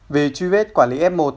về truy vết quản lý f một